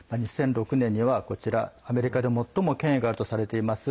２００６年にはこちらアメリカで最も権威があるとされています